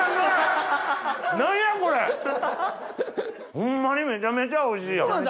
ホンマにめちゃめちゃおいしいやん。